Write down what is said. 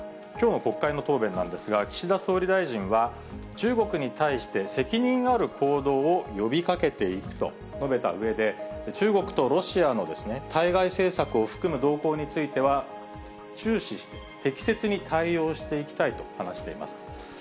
きょうの国会の答弁なんですが、岸田総理大臣は、中国に対して、責任ある行動を呼びかけていくと述べたうえで、中国とロシアの対外政策を含む動向については、注視し、適切に対応していきたいと話しています。